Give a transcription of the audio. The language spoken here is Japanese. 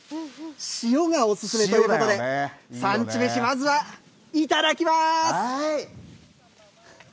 塩がおすすめということで産地めし、まずはいただきます。